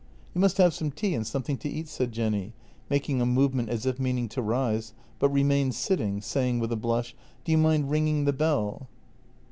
" You must have some tea and something to eat," said Jenny, making a movement as if meaning to rise, but remained sitting, saying with a blush: " Do you mind ringing the bell?